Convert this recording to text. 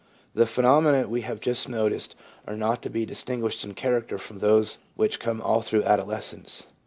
The phenomena we have just noticed are not to be distinguished in character from those which come all through adolescence.